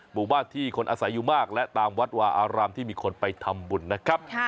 หมู่บ้านที่คนอาศัยอยู่มากและตามวัดวาอารามที่มีคนไปทำบุญนะครับ